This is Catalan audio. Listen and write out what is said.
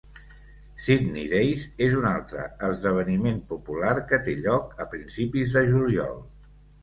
'Sidney days' és un altre esdeveniment popular que té lloc a principis de juliol.